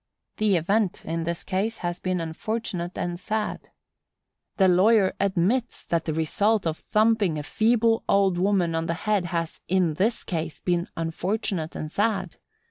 The event, IN THIS CASE, has been unfortunate and sad." The lawyer admits that the result of thumping a feeble old woman on the head has, in this case, been "unfortunate and sad."